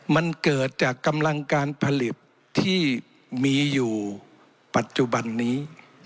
มันเกิดจากกำลังการผลิตที่มีอยู่ปัจจุบันนี้